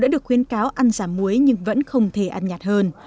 nhiều người khuyên cáo ăn giảm muối nhưng vẫn không thể ăn nhạt hơn